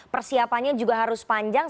persiapannya juga harus panjang